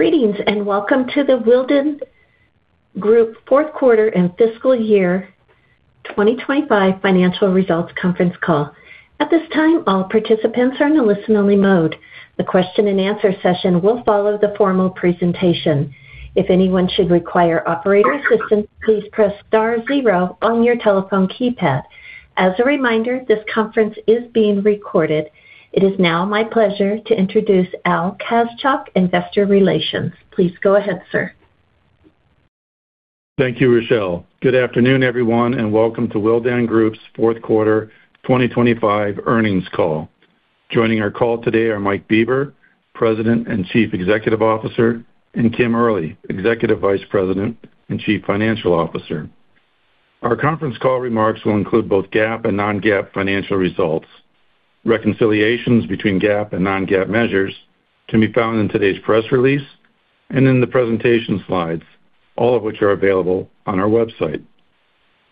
Greetings, welcome to the Willdan Group Fourth Quarter and Fiscal Year 2025 financial results conference call. At this time, all participants are in a listen-only mode. The question and answer session will follow the formal presentation. If anyone should require operator assistance, please press star zero on your telephone keypad. As a reminder, this conference is being recorded. It is now my pleasure to introduce Al Kaschalk, Investor Relations. Please go ahead, sir. Thank you, Rochelle. Good afternoon, everyone, and welcome to Willdan Group's fourth quarter 2025 earnings call. Joining our call today are Mike Bieber, President and Chief Executive Officer, and Kim Early, Executive Vice President and Chief Financial Officer. Our conference call remarks will include both GAAP and non-GAAP financial results. Reconciliations between GAAP and non-GAAP measures can be found in today's press release and in the presentation slides, all of which are available on our website.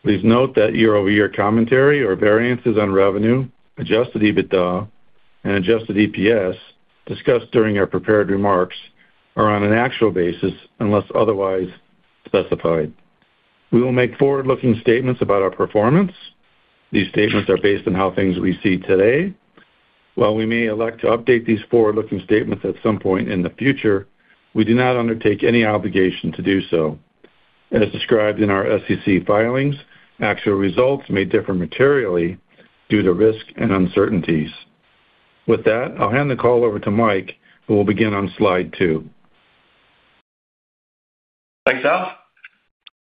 Please note that year-over-year commentary or variances on revenue, adjusted EBITDA, and adjusted EPS discussed during our prepared remarks are on an actual basis unless otherwise specified. We will make forward-looking statements about our performance. These statements are based on how things we see today. While we may elect to update these forward-looking statements at some point in the future, we do not undertake any obligation to do so. As described in our SEC filings, actual results may differ materially due to risks and uncertainties. With that, I'll hand the call over to Mike, who will begin on slide 2. Thanks, Al.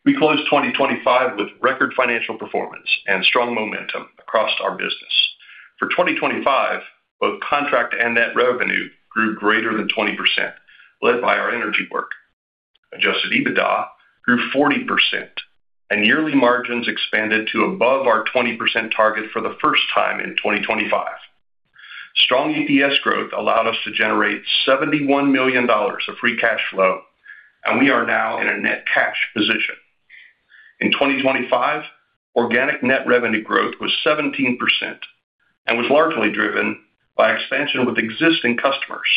We closed 2025 with record financial performance and strong momentum across our business. For 2025, both contract and net revenue grew greater than 20%, led by our energy work. Adjusted EBITDA grew 40% and yearly margins expanded to above our 20% target for the first time in 2025. Strong EPS growth allowed us to generate $71 million of free cash flow, and we are now in a net cash position. In 2025, organic net revenue growth was 17% and was largely driven by expansion with existing customers.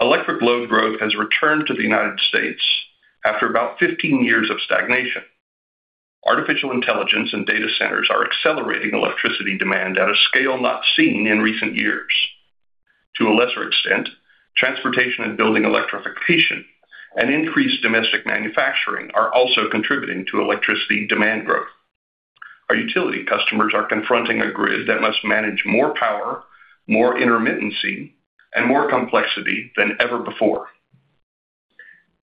Electric load growth has returned to the United States after about 15 years of stagnation. Artificial intelligence and data centers are accelerating electricity demand at a scale not seen in recent years. To a lesser extent, transportation and building electrification and increased domestic manufacturing are also contributing to electricity demand growth. Our utility customers are confronting a grid that must manage more power, more intermittency, and more complexity than ever before.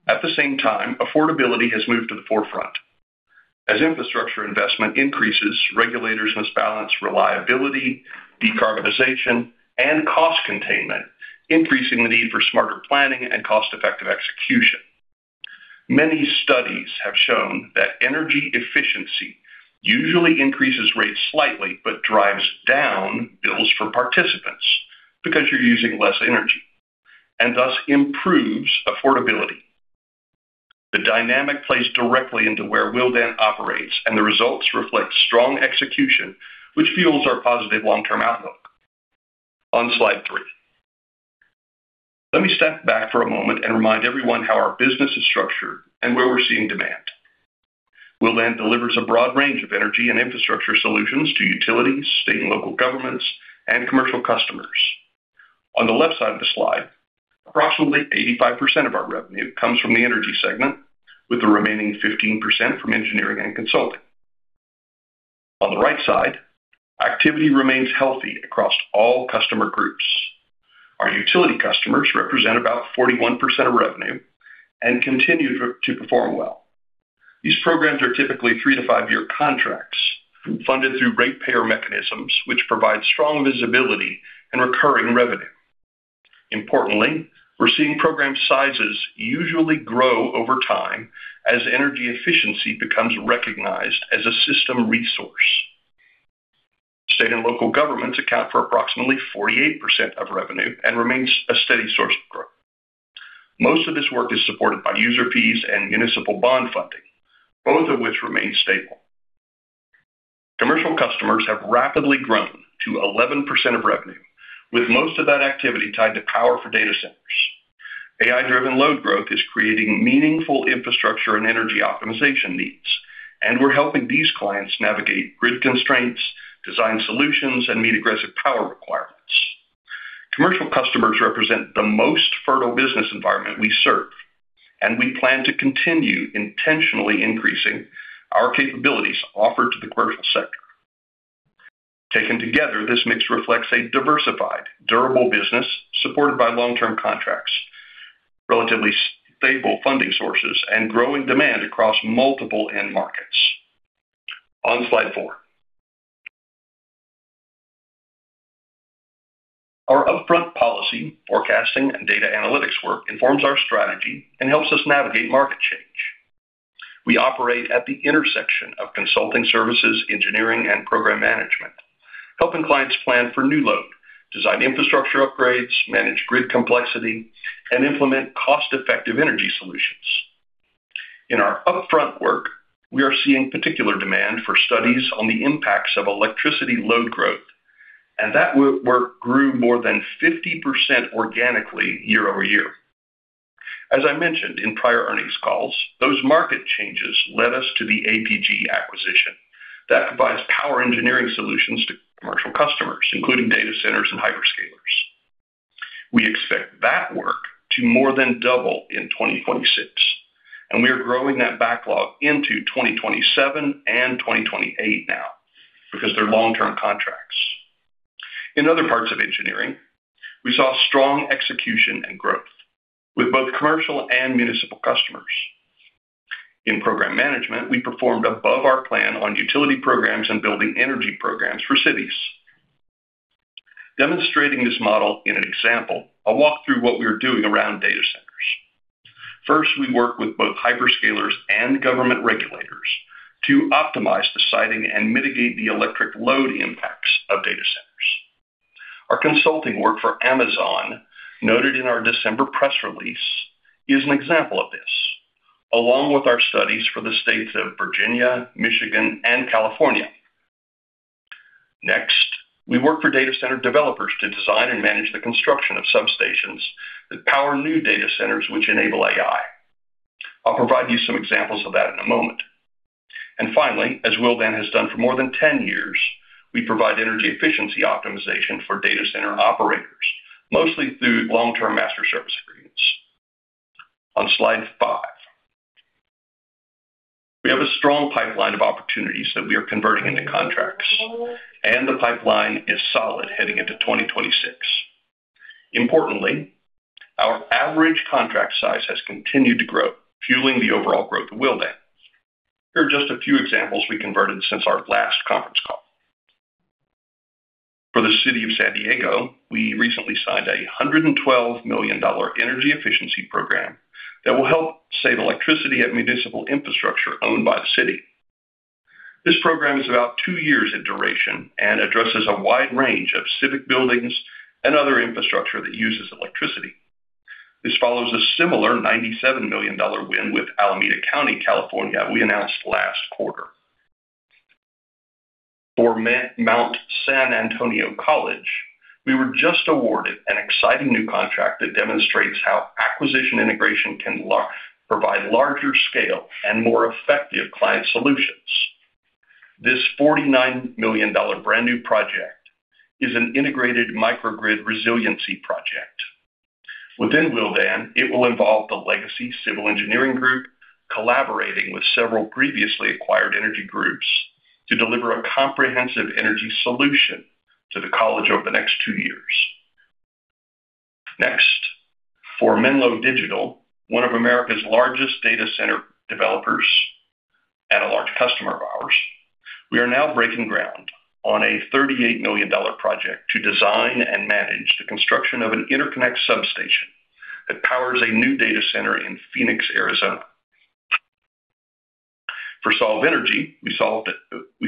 At the same time, affordability has moved to the forefront. As infrastructure investment increases, regulators must balance reliability, decarbonization, and cost containment, increasing the need for smarter planning and cost-effective execution. Many studies have shown that energy efficiency usually increases rates slightly, but drives down bills for participants because you're using less energy, and thus improves affordability. The dynamic plays directly into where Willdan operates, and the results reflect strong execution, which fuels our positive long-term outlook. On slide three. Let me step back for a moment and remind everyone how our business is structured and where we're seeing demand. Willdan delivers a broad range of energy and infrastructure solutions to utilities, state and local governments, and commercial customers. On the left side of the slide, approximately 85% of our revenue comes from the energy segment, with the remaining 15% from engineering and consulting. On the right side, activity remains healthy across all customer groups. Our utility customers represent about 41% of revenue and continue to perform well. These programs are typically 3-5-year contracts funded through ratepayer mechanisms, which provide strong visibility and recurring revenue. Importantly, we're seeing program sizes usually grow over time as energy efficiency becomes recognized as a system resource. State and local governments account for approximately 48% of revenue and remains a steady source of growth. Most of this work is supported by user fees and municipal bond funding, both of which remain stable. Commercial customers have rapidly grown to 11% of revenue, with most of that activity tied to power for data centers. AI-driven load growth is creating meaningful infrastructure and energy optimization needs, and we're helping these clients navigate grid constraints, design solutions, and meet aggressive power requirements. Commercial customers represent the most fertile business environment we serve, and we plan to continue intentionally increasing our capabilities offered to the commercial sector. Taken together, this mix reflects a diversified, durable business supported by long-term contracts, relatively stable funding sources, and growing demand across multiple end markets. On slide 4. Our upfront policy, forecasting, and data analytics work informs our strategy and helps us navigate market change. We operate at the intersection of consulting services, engineering, and program management, helping clients plan for new load, design infrastructure upgrades, manage grid complexity, and implement cost-effective energy solutions. In our upfront work, we are seeing particular demand for studies on the impacts of electricity load growth, and that work grew more than 50% organically year-over-year. As I mentioned in prior earnings calls, those market changes led us to the APG acquisition that provides power engineering solutions to commercial customers, including data centers and hyperscalers. We expect that work to more than double in 2026, and we are growing that backlog into 2027 and 2028 now because they're long-term contracts. In other parts of engineering, we saw strong execution and growth with both commercial and municipal customers. In program management, we performed above our plan on utility programs and building energy programs for cities. Demonstrating this model in an example, I'll walk through what we are doing around data centers. First, we work with both hyperscalers and government regulators to optimize the siting and mitigate the electric load impacts of data centers. Our consulting work for Amazon, noted in our December press release, is an example of this, along with our studies for the states of Virginia, Michigan and California. Next, we work for data center developers to design and manage the construction of substations that power new data centers which enable AI. I'll provide you some examples of that in a moment. Finally, as Willdan has done for more than 10 years, we provide energy efficiency optimization for data center operators, mostly through long-term master service agreements. On slide 5. We have a strong pipeline of opportunities that we are converting into contracts, the pipeline is solid heading into 2026. Importantly, our average contract size has continued to grow, fueling the overall growth of Willdan. Here are just a few examples we converted since our last conference call. For the City of San Diego, we recently signed a $112 million energy efficiency program that will help save electricity at municipal infrastructure owned by the city. This program is about two years in duration and addresses a wide range of civic buildings and other infrastructure that uses electricity. This follows a similar $97 million win with Alameda County, California, we announced last quarter. For Mt. San Antonio College, we were just awarded an exciting new contract that demonstrates how acquisition integration can provide larger scale and more effective client solutions. This $49 million brand new project is an integrated microgrid resiliency project. Within Willdan, it will involve the legacy civil engineering group collaborating with several previously acquired energy groups to deliver a comprehensive energy solution to the college over the next two years. For Menlo Digital, one of America's largest data center developers and a large customer of ours, we are now breaking ground on a $38 million project to design and manage the construction of an interconnect substation that powers a new data center in Phoenix, Arizona. For SOLV Energy, we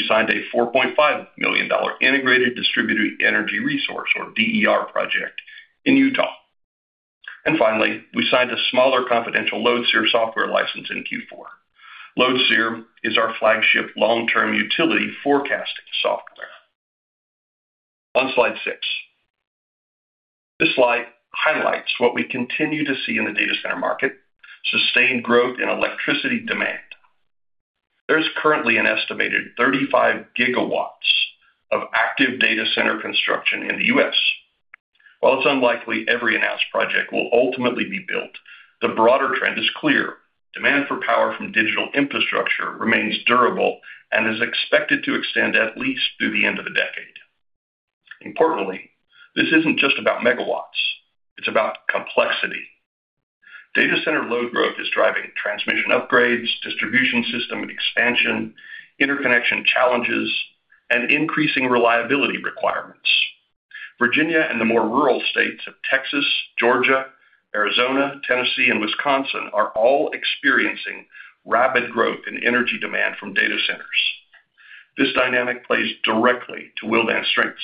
signed a $4.5 million integrated distributed energy resource, or DER project, in Utah. Finally, we signed a smaller confidential LoadSEER software license in Q4. LoadSEER is our flagship long-term utility forecasting software. On slide 6. This slide highlights what we continue to see in the data center market, sustained growth in electricity demand. There is currently an estimated 35 gigawatts of active data center construction in the U.S. While it's unlikely every announced project will ultimately be built, the broader trend is clear. Demand for power from digital infrastructure remains durable and is expected to extend at least through the end of the decade. Importantly, this isn't just about megawatts, it's about complexity. Data center load growth is driving transmission upgrades, distribution system expansion, interconnection challenges, and increasing reliability requirements. Virginia and the more rural states of Texas, Georgia, Arizona, Tennessee, and Wisconsin are all experiencing rapid growth in energy demand from data centers. This dynamic plays directly to Willdan's strengths,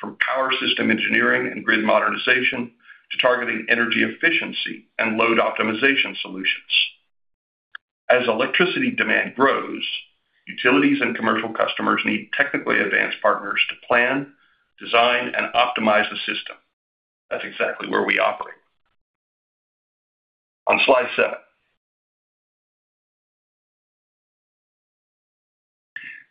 from power system engineering and grid modernization to targeting energy efficiency and load optimization solutions. As electricity demand grows, utilities and commercial customers need technically advanced partners to plan, design, and optimize the system. That's exactly where we operate. On slide 7.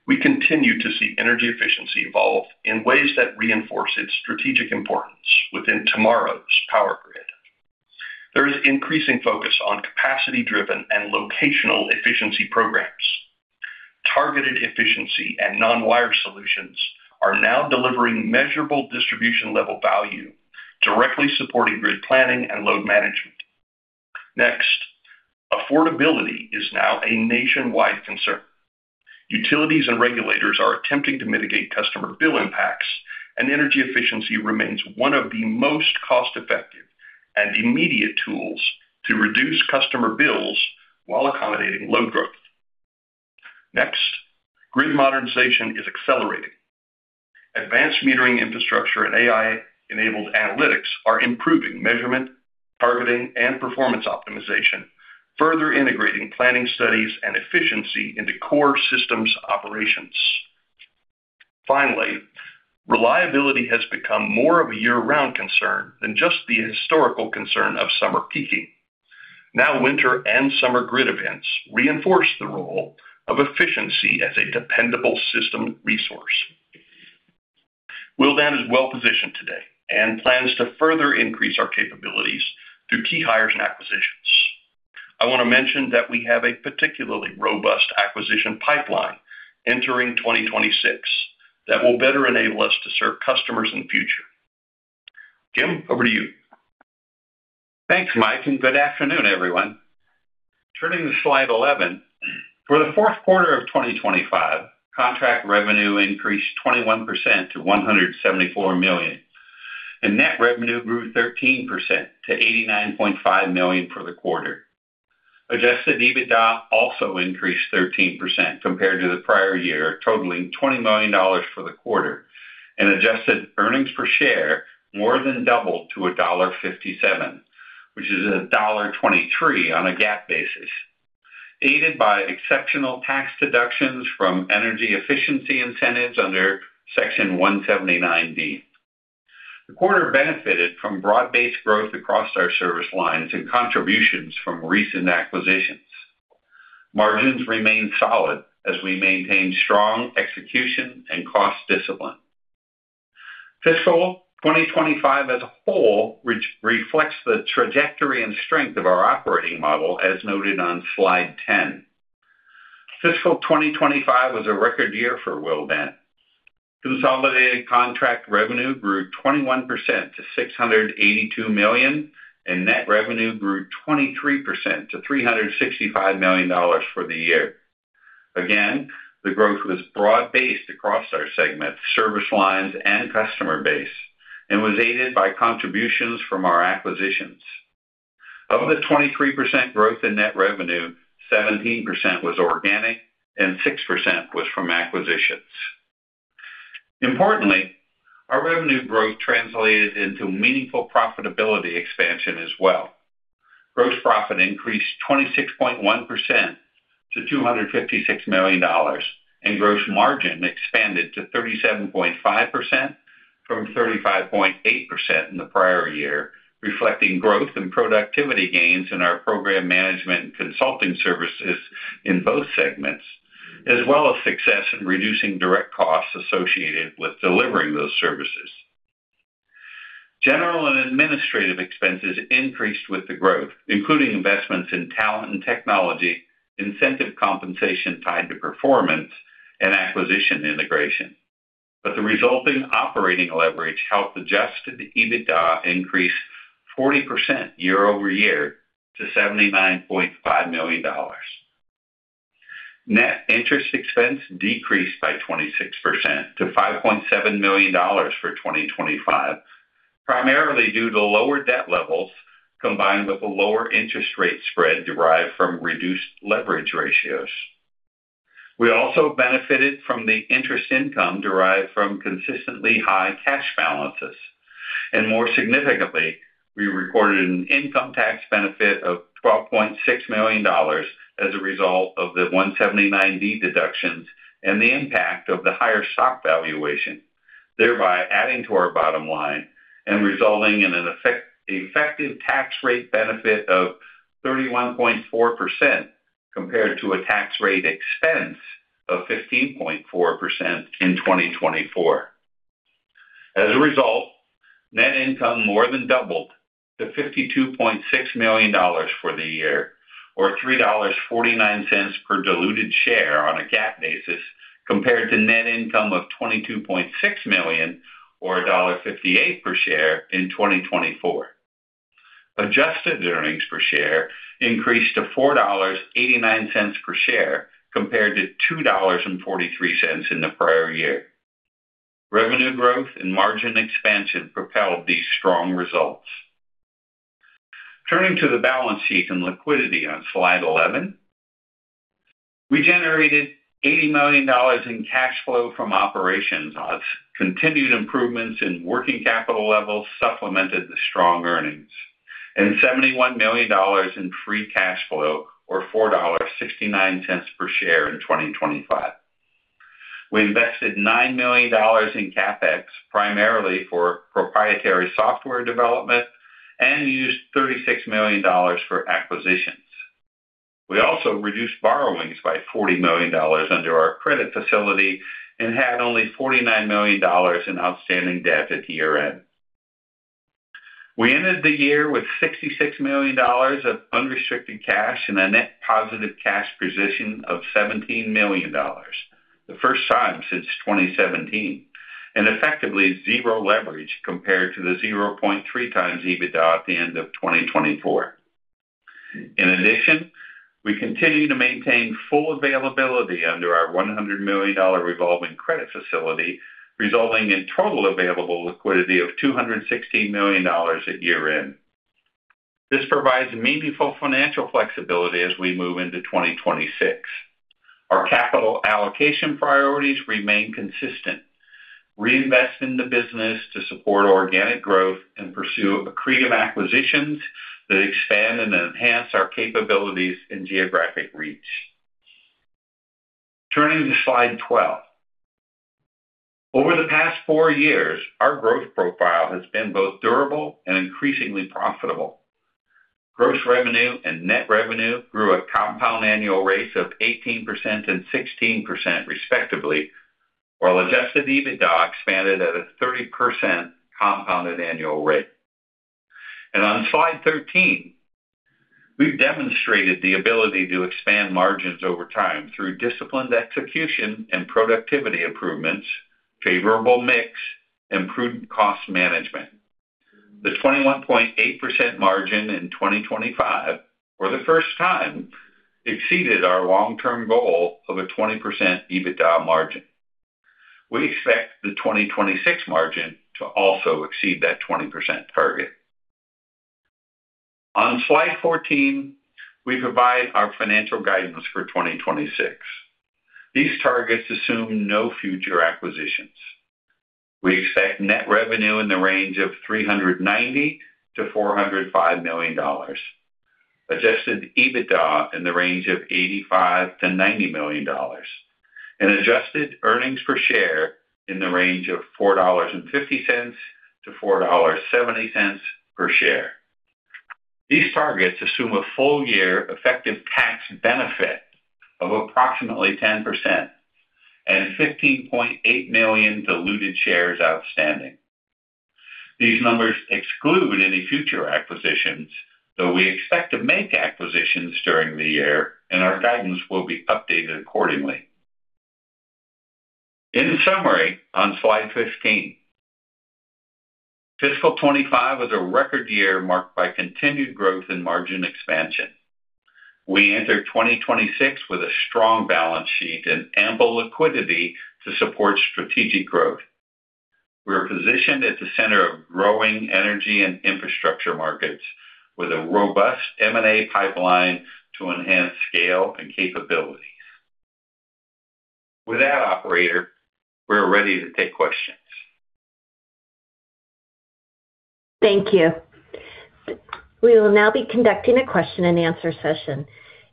We continue to see energy efficiency evolve in ways that reinforce its strategic importance within tomorrow's power grid. There is increasing focus on capacity-driven and locational efficiency programs. Targeted efficiency and non-wires solutions are now delivering measurable distribution-level value directly supporting grid planning and load management. Affordability is now a nationwide concern. Utilities and regulators are attempting to mitigate customer bill impacts. Energy efficiency remains one of the most cost-effective and immediate tools to reduce customer bills while accommodating load growth. Grid modernization is accelerating. Advanced metering infrastructure and AI-enabled analytics are improving measurement, targeting, and performance optimization, further integrating planning studies and efficiency into core systems operations. Reliability has become more of a year-round concern than just the historical concern of summer peaking. Winter and summer grid events reinforce the role of efficiency as a dependable system resource. Willdan is well-positioned today and plans to further increase our capabilities through key hires and acquisitions. I want to mention that we have a particularly robust acquisition pipeline entering 2026 that will better enable us to serve customers in the future. Kim, over to you. Thanks, Mike. Good afternoon, everyone. Turning to slide 11. For the 4th quarter of 2025, contract revenue increased 21% to $174 million, and net revenue grew 13% to $89.5 million for the quarter. Adjusted EBITDA also increased 13% compared to the prior year, totaling $20 million for the quarter. Adjusted earnings per share more than doubled to $1.57, which is $1.23 on a GAAP basis, aided by exceptional tax deductions from energy efficiency incentives under Section 179D. The quarter benefited from broad-based growth across our service lines and contributions from recent acquisitions. Margins remained solid as we maintained strong execution and cost discipline. Fiscal 2025 as a whole re-reflects the trajectory and strength of our operating model as noted on slide 10. Fiscal 2025 was a record year for Willdan. Consolidated contract revenue grew 21% to $682 million, and net revenue grew 23% to $365 million for the year. Again, the growth was broad-based across our segments, service lines, and customer base, and was aided by contributions from our acquisitions. Of the 23% growth in net revenue, 17% was organic and 6% was from acquisitions. Importantly, our revenue growth translated into meaningful profitability expansion as well. Gross profit increased 26.1% to $256 million, and gross margin expanded to 37.5% from 35.8% in the prior year, reflecting growth and productivity gains in our program management consulting services in both segments, as well as success in reducing direct costs associated with delivering those services. General and administrative expenses increased with the growth, including investments in talent and technology, incentive compensation tied to performance, and acquisition integration. The resulting operating leverage helped adjust to the EBITDA increase 40% year-over-year to $79.5 million. Net interest expense decreased by 26% to $5.7 million for 2025, primarily due to lower debt levels combined with a lower interest rate spread derived from reduced leverage ratios. We also benefited from the interest income derived from consistently high cash balances. More significantly, we recorded an income tax benefit of $12.6 million as a result of the 179D deductions and the impact of the higher stock valuation, thereby adding to our bottom line and resulting in an effective tax rate benefit of 31.4% compared to a tax rate expense of 15.4% in 2024. As a result, net income more than doubled to $52.6 million for the year or $3.49 per diluted share on a GAAP basis compared to net income of $22.6 million or $1.58 per share in 2024. Adjusted earnings per share increased to $4.89 per share compared to $2.43 in the prior year. Revenue growth and margin expansion propelled these strong results. Turning to the balance sheet and liquidity on slide 11. We generated $80 million in cash flow from operations as continued improvements in working capital levels supplemented the strong earnings, and $71 million in free cash flow or $4.69 per share in 2025. We invested $9 million in CapEx, primarily for proprietary software development and used $36 million for acquisitions. We also reduced borrowings by $40 million under our credit facility and had only $49 million in outstanding debt at year-end. We ended the year with $66 million of unrestricted cash and a net positive cash position of $17 million, the first time since 2017, and effectively zero leverage compared to the 0.3 times EBITDA at the end of 2024. In addition, we continue to maintain full availability under our $100 million revolving credit facility, resulting in total available liquidity of $216 million at year-end. This provides meaningful financial flexibility as we move into 2026. Our capital allocation priorities remain consistent. Reinvest in the business to support organic growth and pursue accretive acquisitions that expand and enhance our capabilities and geographic reach. Turning to slide 12. Over the past 4 years, our growth profile has been both durable and increasingly profitable. Gross revenue and net revenue grew at compound annual rates of 18% and 16% respectively, while adjusted EBITDA expanded at a 30% compounded annual rate. On slide 13, we've demonstrated the ability to expand margins over time through disciplined execution and productivity improvements, favorable mix, and prudent cost management. The 21.8% margin in 2025, for the first time, exceeded our long-term goal of a 20% EBITDA margin. We expect the 2026 margin to also exceed that 20% target. On slide 14, we provide our financial guidance for 2026. These targets assume no future acquisitions. We expect net revenue in the range of $390 million-$405 million, adjusted EBITDA in the range of $85 million-$90 million, and adjusted earnings per share in the range of $4.50-$4.70 per share. These targets assume a full-year effective tax benefit of approximately 10% and 15.8 million diluted shares outstanding. These numbers exclude any future acquisitions, though we expect to make acquisitions during the year and our guidance will be updated accordingly. In summary, on slide 15, fiscal 2025 was a record year marked by continued growth in margin expansion. We enter 2026 with a strong balance sheet and ample liquidity to support strategic growth. We are positioned at the center of growing energy and infrastructure markets with a robust M&A pipeline to enhance scale and capabilities. With that, operator, we're ready to take questions. Thank you. We will now be conducting a question-and-answer session.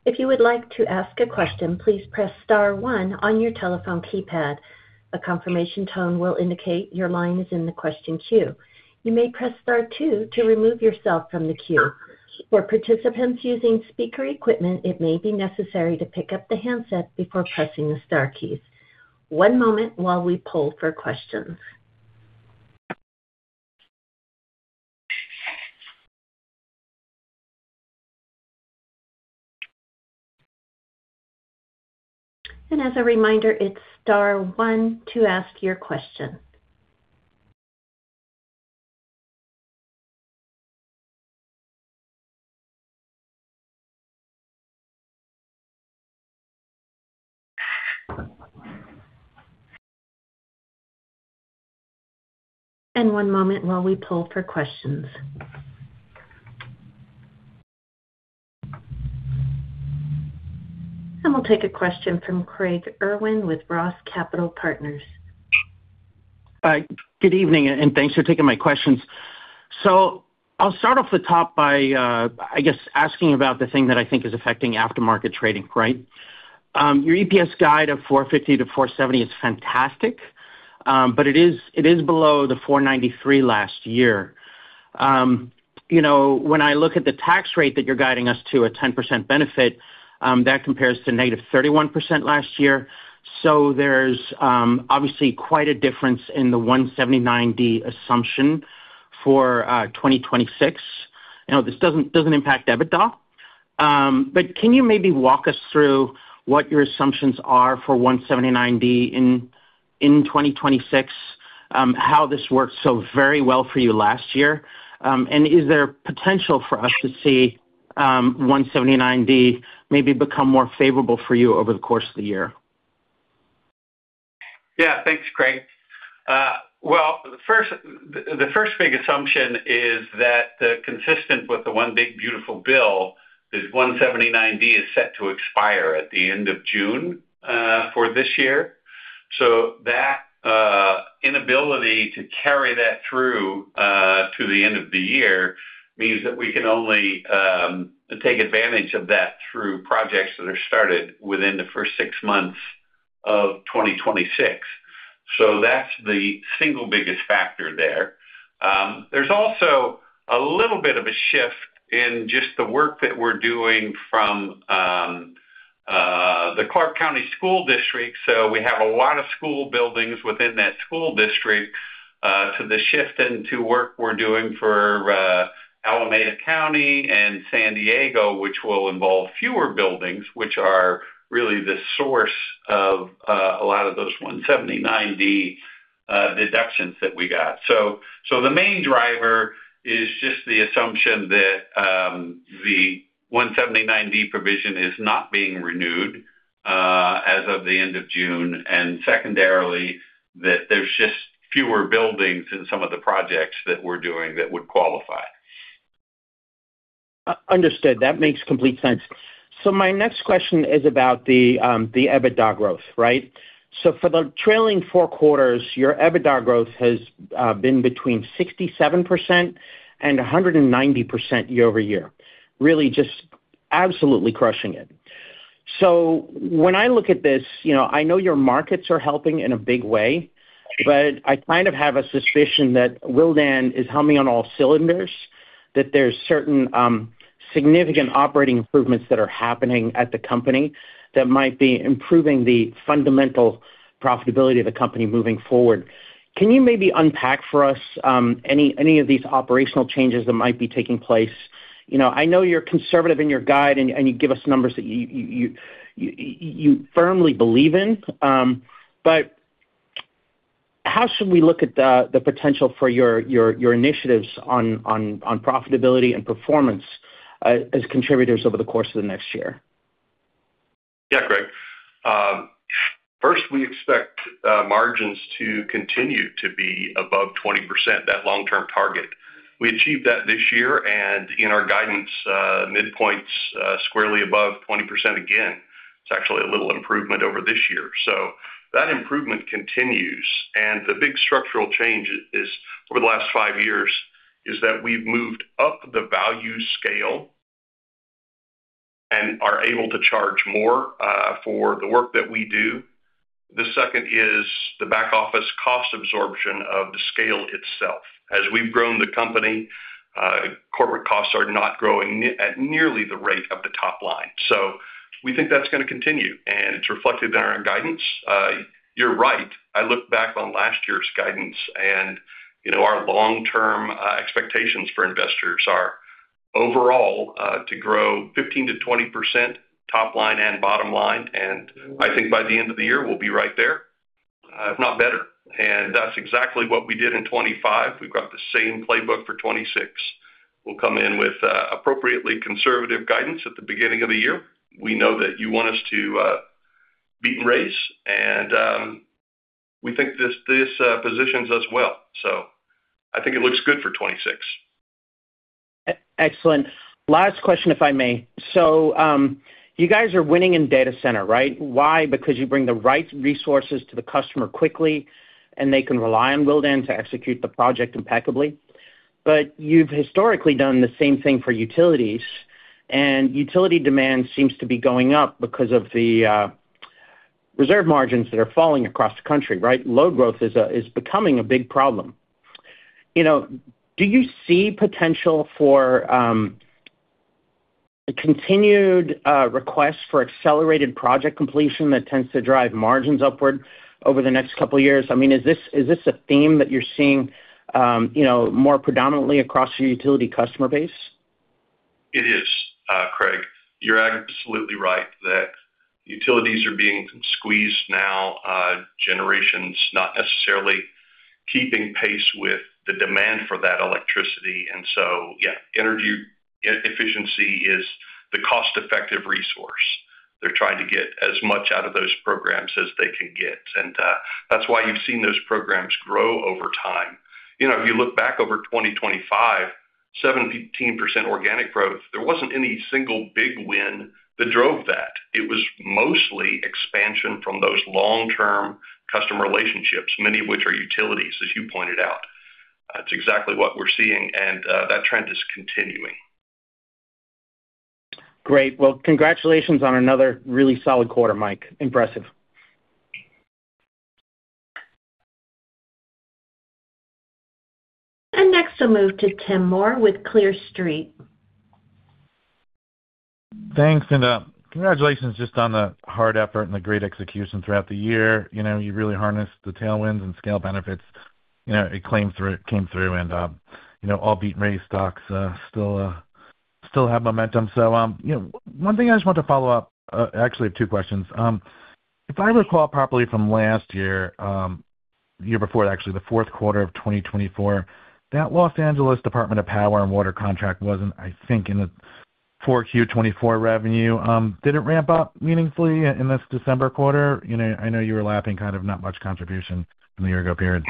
If you would like to ask a question, please press star one on your telephone keypad. A confirmation tone will indicate your line is in the question queue. You may press star two to remove yourself from the queue. For participants using speaker equipment, it may be necessary to pick up the handset before pressing the star keys. One moment while we poll for questions. As a reminder, it's star one to ask your question. One moment while we poll for questions. We'll take a question from Craig Irwin with Roth Capital Partners. Good evening, and thanks for taking my questions. I'll start off the top by, I guess, asking about the thing that I think is affecting after-market trading. Right? Your EPS guide of $4.50-$4.70 is fantastic, but it is below the $4.93 last year. You know, when I look at the tax rate that you're guiding us to, a 10% benefit, that compares to -31% last year. There's obviously quite a difference in the Section 179D assumption for 2026. You know, this doesn't impact EBITDA. But can you maybe walk us through what your assumptions are for Section 179D in 2026, how this worked so very well for you last year? Is there potential for us to see, 179D maybe become more favorable for you over the course of the year? Yeah. Thanks, Craig. Well, the first big assumption is that, consistent with the One Big Beautiful Bill, this 179D is set to expire at the end of June for this year. That inability to carry that through to the end of the year means that we can only take advantage of that through projects that are started within the first 6 months of 2026. That's the single biggest factor there. There's also a little bit of a shift in just the work that we're doing from the Clark County School District. We have a lot of school buildings within that school district, to the shift into work we're doing for Alameda County and San Diego, which will involve fewer buildings, which are really the source of a lot of those 179D deductions that we got. The main driver is just the assumption that the 179D provision is not being renewed. As of the end of June, secondarily, that there's just fewer buildings in some of the projects that we're doing that would qualify. Understood. That makes complete sense. My next question is about the EBITDA growth, right? For the trailing 4 quarters, your EBITDA growth has been between 67% and 190% year-over-year, really just absolutely crushing it. When I look at this, you know, I know your markets are helping in a big way, but I kind of have a suspicion that Willdan is humming on all cylinders, that there's certain significant operating improvements that are happening at the company that might be improving the fundamental profitability of the company moving forward. Can you maybe unpack for us any of these operational changes that might be taking place? You know, I know you're conservative in your guide, and you give us numbers that you firmly believe in, but how should we look at the potential for your initiatives on profitability and performance as contributors over the course of the next year? Yeah, Craig. First, we expect margins to continue to be above 20%, that long-term target. We achieved that this year, and in our guidance, mid points squarely above 20% again. It's actually a little improvement over this year. That improvement continues. The big structural change is, over the last five years, is that we've moved up the value scale and are able to charge more, for the work that we do. The second is the back office cost absorption of the scale itself. As we've grown the company, corporate costs are not growing at nearly the rate of the top line. We think that's gonna continue, and it's reflected in our guidance. You're right. I look back on last year's guidance and, you know, our long-term expectations for investors are overall to grow 15%-20% top line and bottom line, and I think by the end of the year, we'll be right there, if not better. That's exactly what we did in 25. We've got the same playbook for 26. We'll come in with appropriately conservative guidance at the beginning of the year. We know that you want us to beat raise, and we think this positions us well. I think it looks good for 26. Excellent. Last question, if I may. You guys are winning in data center, right? Why? Because you bring the right resources to the customer quickly, and they can rely on Willdan to execute the project impeccably. You've historically done the same thing for utilities, and utility demand seems to be going up because of the reserve margins that are falling across the country, right? Load growth is becoming a big problem. You know, do you see potential for continued requests for accelerated project completion that tends to drive margins upward over the next couple of years? I mean, is this a theme that you're seeing, you know, more predominantly across your utility customer base? It is, Craig. You're absolutely right that utilities are being squeezed now. Generation's not necessarily keeping pace with the demand for that electricity. Yeah, energy efficiency is the cost-effective resource. They're trying to get as much out of those programs as they can get. That's why you've seen those programs grow over time. You know, if you look back over 20-25, 17% organic growth, there wasn't any single big win that drove that. It was mostly expansion from those long-term customer relationships, many of which are utilities, as you pointed out. That's exactly what we're seeing, that trend is continuing. Great. Well, congratulations on another really solid quarter, Mike. Impressive. Next, I'll move to Tim Moore with Clear Street. Thanks. Congratulations just on the hard effort and the great execution throughout the year. You know, you really harnessed the tailwinds and scale benefits. You know, it came through and, you know, all beat race stocks still have momentum. You know, one thing I just want to follow up. Actually, two questions. If I recall properly from last year, the year before, actually, the fourth quarter of 2024, that Los Angeles Department of Water and Power contract wasn't, I think, in the 4Q 2024 revenue. Did it ramp up meaningfully in this December quarter? You know, I know you were lapping kind of not much contribution from the year ago period.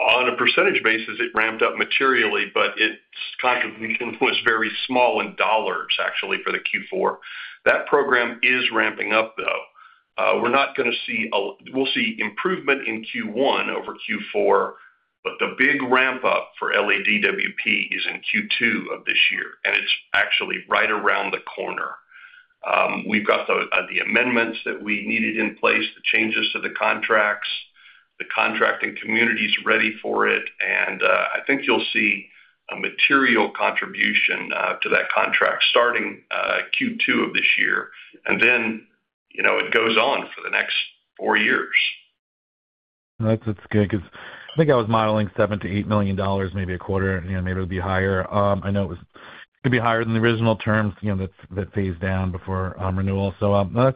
On a percentage basis, it ramped up materially, but its contribution was very small in dollars, actually, for the Q4. That program is ramping up, though. We'll see improvement in Q1 over Q4, but the big ramp up for LADWP is in Q2 of this year. It's actually right around the corner. We've got the amendments that we needed in place, the changes to the contracts, the contracting community's ready for it. I think you'll see a material contribution to that contract starting Q2 of this year. You know, it goes on for the next 4 years. That's good 'cause I think I was modeling $7 million-$8 million, maybe a quarter, you know, maybe it would be higher. I know it could be higher than the original terms, you know, that phase down before renewal.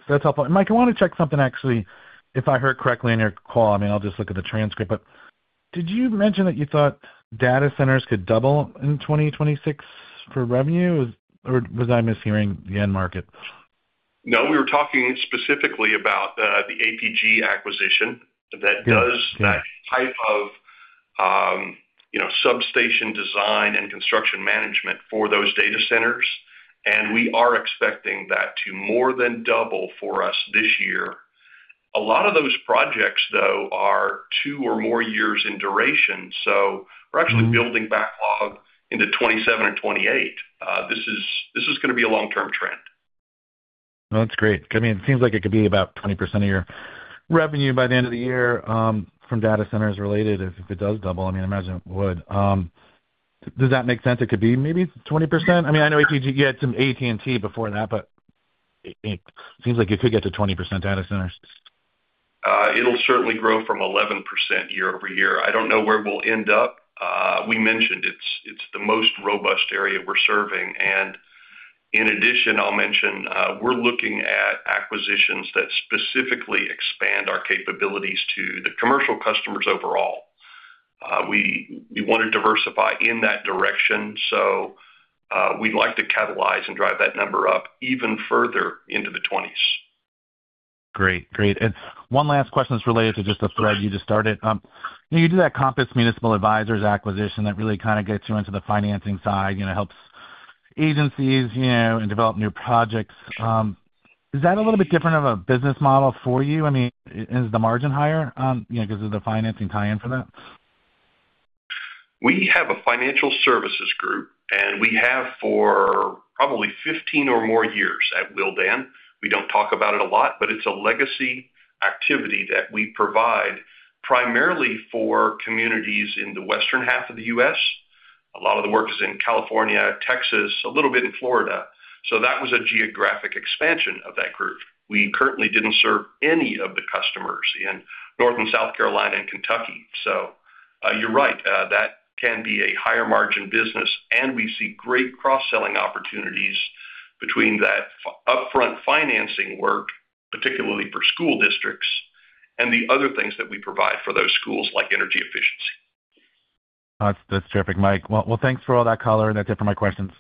That's helpful. Mike, I wanna check something actually, if I heard correctly on your call. I mean, I'll just look at the transcript, but did you mention that you thought data centers could double in 2026 for revenue? Or was I mishearing the end market? No, we were talking specifically about the APG acquisition that does that type of, you know, substation design and construction management for those data centers, and we are expecting that to more than double for us this year. A lot of those projects, though, are 2 or more years in duration, so we're actually building backlog into 2027 and 2028. This is gonna be a long-term trend. That's great. I mean, it seems like it could be about 20% of your revenue by the end of the year from data centers related if it does double. I mean, I imagine it would. Does that make sense? It could be maybe 20%? I mean, I know APG, you had some AT&T before that, but it seems like it could get to 20% data centers. It'll certainly grow from 11% year-over-year. I don't know where we'll end up. We mentioned it's the most robust area we're serving. In addition, I'll mention, we're looking at acquisitions that specifically expand our capabilities to the commercial customers overall. We wanna diversify in that direction. We'd like to catalyze and drive that number up even further into the 20s. Great. Great. One last question that's related to just the thread you just started. You know, you did that Compass Municipal Advisors acquisition that really kind of gets you into the financing side, you know, helps agencies, you know, and develop new projects. Is that a little bit different of a business model for you? I mean, is the margin higher, you know, 'cause of the financing tie-in for that? We have a financial services group, and we have for probably 15 or more years at Willdan. We don't talk about it a lot, but it's a legacy activity that we provide primarily for communities in the western half of the U.S. A lot of the work is in California, Texas, a little bit in Florida. That was a geographic expansion of that group. We currently didn't serve any of the customers in North and South Carolina and Kentucky. You're right, that can be a higher margin business, and we see great cross-selling opportunities between that upfront financing work, particularly for school districts, and the other things that we provide for those schools, like energy efficiency. That's terrific, Mike. Well, thanks for all that color, and that's it for my questions.